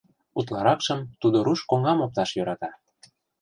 Утларакшым тудо руш коҥгам опташ йӧрата.